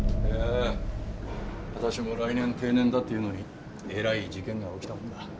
いや私も来年定年だっていうのにえらい事件が起きたもんだ。